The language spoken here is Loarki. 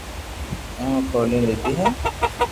اونکو کولي ديدي ھي